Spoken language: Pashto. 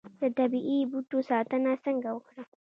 د طبیعي بوټو ساتنه څنګه وکړم؟